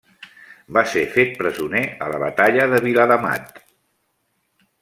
Va ser fet presoner a la Batalla de Viladamat.